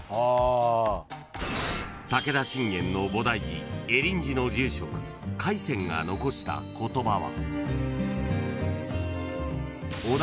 ［武田信玄の菩提寺恵林寺の住職快川が残した言葉は］